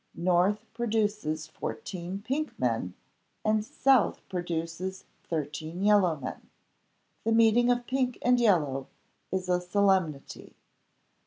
North produces fourteen pink men, and South produces thirteen yellow men. The meeting of pink and yellow is a solemnity.